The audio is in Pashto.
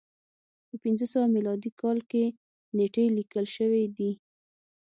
په پنځه سوه میلادي کال کې نېټې لیکل شوې دي.